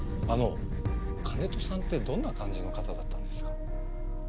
あの金戸さんってどんな感じの方だったんですか？